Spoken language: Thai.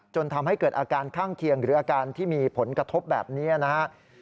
จนทำให้เกิดอาการข้างเคียงหรืออาการที่มีผลกระทบแบบนี้นะครับ